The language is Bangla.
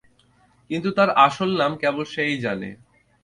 কিন্তু তার আসল নাম কেবল সে-ই জানে।